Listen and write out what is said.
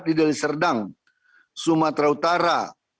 di dali serdang sumatera utara lima ratus